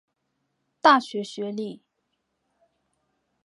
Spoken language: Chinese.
大学学历。